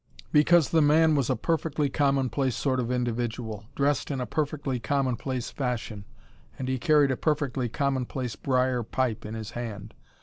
Because the man was a perfectly commonplace sort of individual, dressed in a perfectly commonplace fashion, and he carried a perfectly commonplace briar pipe in his hand.